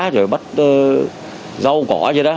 rồi bắt rau cỏ vậy đó